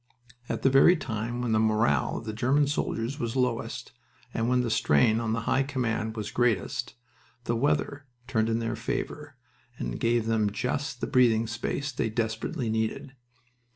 At the very time when the morale of the German soldiers was lowest and when the strain on the High Command was greatest the weather turned in their favor and gave them just the breathing space they desperately needed.